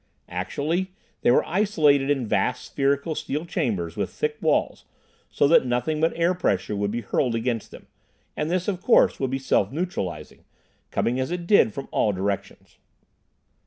Actually, they were isolated in vast spherical steel chambers with thick walls, so that nothing but air pressure would be hurled against them, and this, of course, would be self neutralizing, coming as it did from all directions.